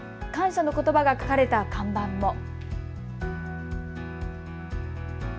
感謝のことばが書かれた看板も。